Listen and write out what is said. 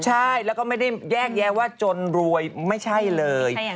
ใช่แล้วก็ไม่ได้แยกแยะว่าจนรวยไม่ใช่เลย